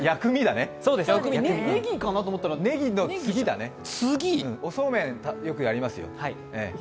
ねぎかなと思ったらおそうめん、よくやりますよ